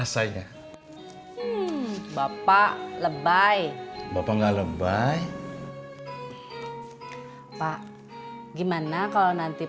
semuanya mak tammy